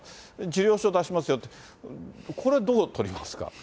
受領証出しますよと、これ、どう取りますか？